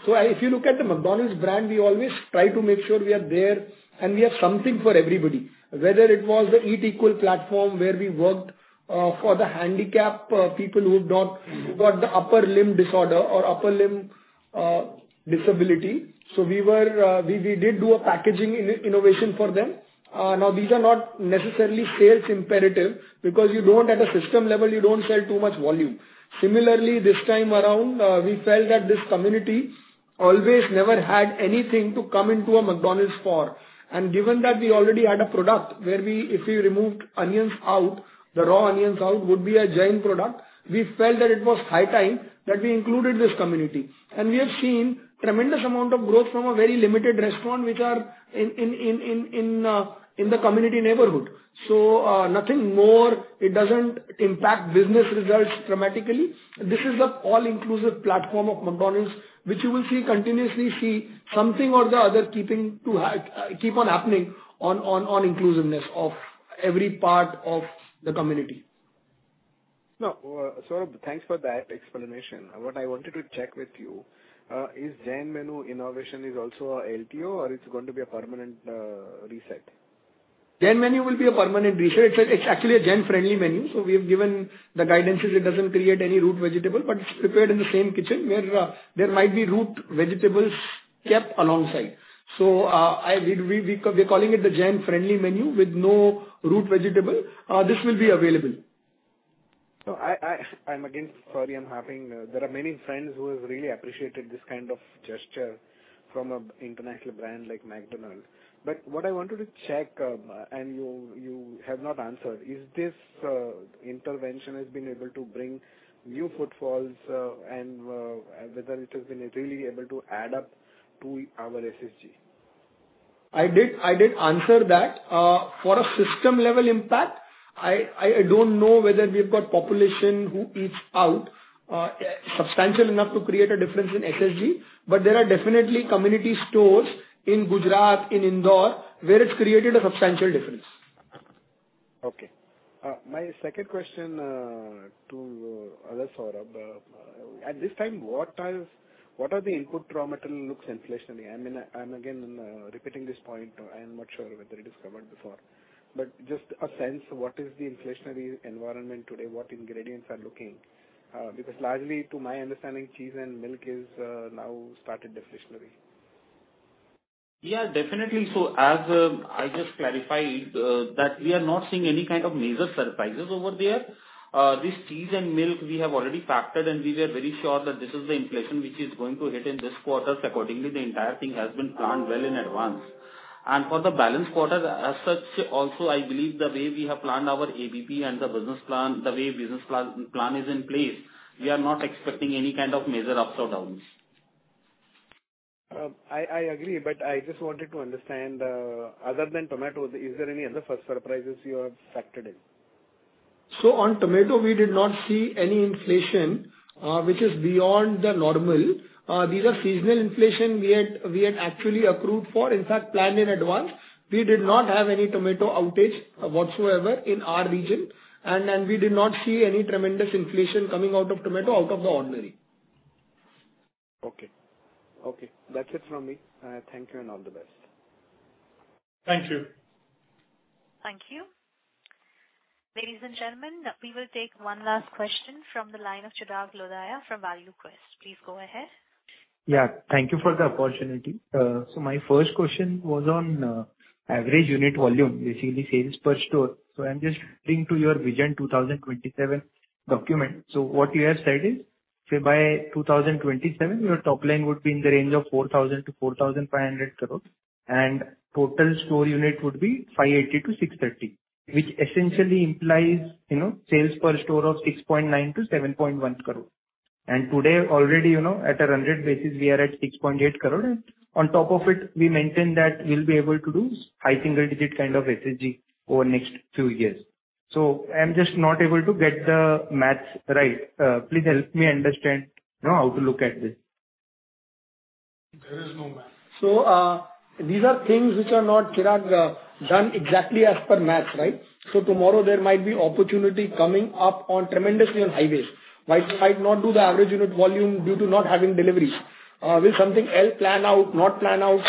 If you look at the McDonald's brand, we always try to make sure we are there, and we have something for everybody. Whether it was the EatQual platform, where we worked for the handicapped people who've got the upper limb disorder or upper limb disability. We did do a packaging innovation for them. Now, these are not necessarily sales imperative, because you don't at a system level, you don't sell too much volume. Similarly, this time around, we felt that this community always never had anything to come into a McDonald's for. Given that we already had a product where we, if we removed onions out, the raw onions out, would be a Jain product, we felt that it was high time that we included this community. We have seen tremendous amount of growth from a very limited restaurant, which are in the community neighborhood. Nothing more, it doesn't impact business results dramatically. This is the all-inclusive platform of McDonald's, which you will see continuously see something or the other keeping to keep on happening on inclusiveness of every part of the community. No, Saurabh, thanks for that explanation. What I wanted to check with you, is Jain menu innovation is also a LTO, or it's going to be a permanent reset? Jain menu will be a permanent reset. It's actually a Jain-friendly menu. We have given the guidances. It doesn't create any root vegetable, but it's prepared in the same kitchen, where there might be root vegetables kept alongside. We're calling it the Jain-friendly menu with no root vegetable. This will be available. I'm again, sorry, there are many friends who have really appreciated this kind of gesture from an international brand like McDonald's. What I wanted to check, and you have not answered: Is this intervention has been able to bring new footfalls and whether it has been really able to add up to our SSG? I did, I did answer that. For a system-level impact, I don't know whether we've got population who eats out, substantial enough to create a difference in SSG. There are definitely community stores in Gujarat, in Indore, where it's created a substantial difference. Okay. My second question, to other Saurabh, at this time, what are the input raw material looks inflationary? I mean, I'm again, repeating this point. I'm not sure whether it is covered before. Just a sense, what is the inflationary environment today? What ingredients are looking. Because largely, to my understanding, cheese and milk is, now started inflationary. Yeah, definitely. As I just clarified that we are not seeing any kind of major surprises over there. This cheese and milk we have already factored, and we were very sure that this is the inflation which is going to hit in this quarter. Accordingly, the entire thing has been planned well in advance. For the balanced quarter, as such, also, I believe the way we have planned our ABP and the business plan, the way business plan is in place, we are not expecting any kind of major ups or downs. I agree, but I just wanted to understand, other than tomato, is there any other first surprises you have factored in? On tomato, we did not see any inflation, which is beyond the normal. These are seasonal inflation we had actually approved for, in fact, planned in advance. We did not have any tomato outage whatsoever in our region, and we did not see any tremendous inflation coming out of tomato out of the ordinary. Okay. Okay, that's it from me. Thank you and all the best. Thank you. Thank you. Ladies and gentlemen, we will take one last question from the line of Chirag Lodha from ValueQuest. Please go ahead. Thank you for the opportunity. My first question was on average unit volume, basically sales per store. I'm just referring to your Vision 2027 document. What you have said is, say by 2027, your top line would be in the range of 4,000 crore-4,500 crore, and total store unit would be 580-630, which essentially implies, you know, sales per store of 6.9 crore-7.1 crore. Today, already, you know, at 100 basis points, we are at 6.8 crore, and on top of it, we maintain that we'll be able to do high single digit kind of SSG over the next two years. I'm just not able to get the math right. Please help me understand, you know, how to look at this. There is no math. These are things which are not, Chirag, done exactly as per math, right? Tomorrow, there might be opportunity coming up on tremendously on highways. Might not do the average unit volume due to not having deliveries. Will something else plan out? Not plan out?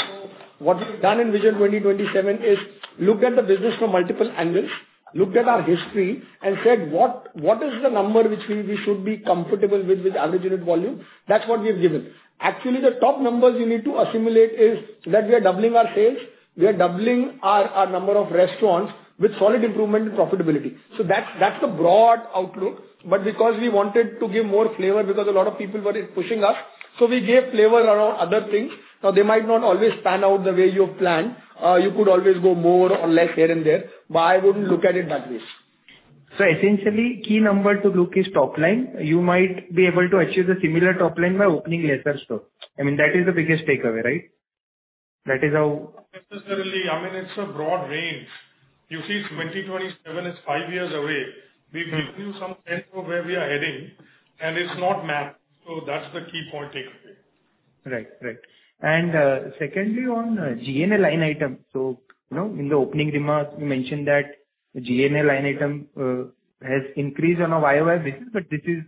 What we've done in Vision 2027 is looked at the business from multiple angles, looked at our history and said, "What is the number which we should be comfortable with average unit volume?" That's what we have given. Actually, the top numbers you need to assimilate is that we are doubling our sales, we are doubling our number of restaurants with solid improvement in profitability. That's the broad outlook. Because we wanted to give more flavor, because a lot of people were pushing us, so we gave flavor around other things. Now, they might not always pan out the way you have planned. You could always go more or less here and there, but I wouldn't look at it that way. Essentially, key number to look is top line. You might be able to achieve the similar top line by opening lesser stores. I mean, that is the biggest takeaway, right? That is how. Not necessarily. I mean, it's a broad range. You see, 2027 is five years away. We've given you some sense of where we are heading, and it's not mapped. That's the key point takeaway. Right. Right. Secondly, on G&A line item. You know, in the opening remarks, you mentioned that G&A line item has increased on a year-over-year basis, but this is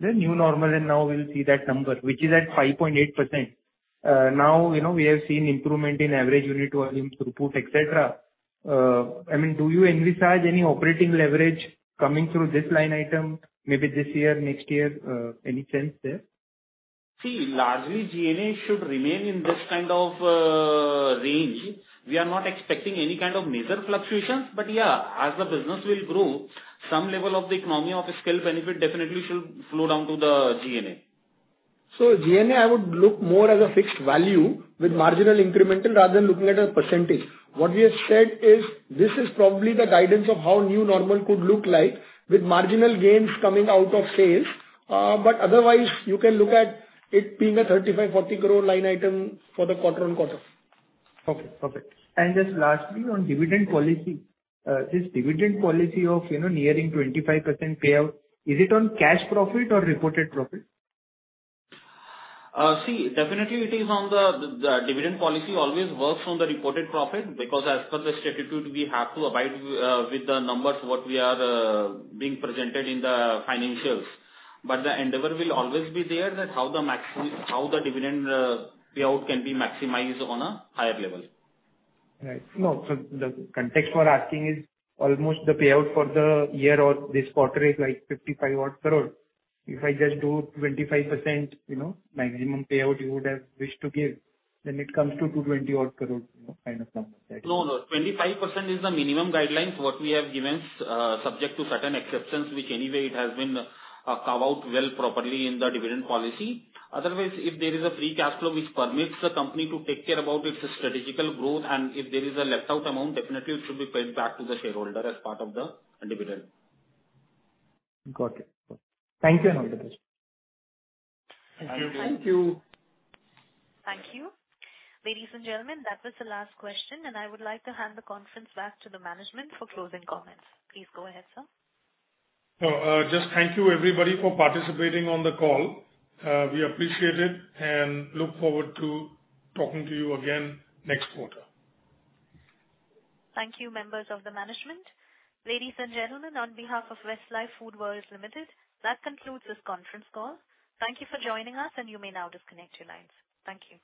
the new normal, and now we'll see that number, which is at 5.8%. Now, you know, we have seen improvement in average unit volume, throughput, et cetera. I mean, do you envisage any operating leverage coming through this line item, maybe this year, next year? Any sense there? See, largely, G&A should remain in this kind of range. We are not expecting any kind of major fluctuations. Yeah, as the business will grow, some level of the economy of the scale benefit definitely should flow down to the G&A. G&A, I would look more as a fixed value with marginal incremental rather than looking at a percentage. What we have said is, this is probably the guidance of how new normal could look like, with marginal gains coming out of sales. Otherwise, you can look at it being a 35 crore- 40 crore line item for the quarter-on-quarter. Okay. Perfect. Just lastly, on dividend policy. This dividend policy of, you know, nearing 25% payout, is it on cash profit or reported profit? See, definitely it is on the dividend policy always works on the reported profit, because as per the statute, we have to abide with the numbers, what we are being presented in the financials. The endeavor will always be there, that how the dividend payout can be maximized on a higher level. Right. The context for asking is almost the payout for the year or this quarter is like 55 odd crore. If I just do 25%, you know, maximum payout you would have wished to give, then it comes to 220 odd crore, you know, kind of number. No, no. 25% is the minimum guidelines, what we have given, subject to certain exceptions, which anyway, it has been carved out well, properly in the dividend policy. Otherwise, if there is a free cash flow which permits the company to take care about its strategical growth, and if there is a left out amount, definitely it should be paid back to the shareholder as part of the dividend. Got it. Got it. Thank you, and I'm done. Thank you. Thank you. Thank you. Ladies and gentlemen, that was the last question, and I would like to hand the conference back to the management for closing comments. Please go ahead, sir. Just thank you, everybody, for participating on the call. We appreciate it and look forward to talking to you again next quarter. Thank you, members of the management. Ladies and gentlemen, on behalf of Westlife Foodworld Limited, that concludes this conference call. Thank you for joining us, and you may now disconnect your lines. Thank you.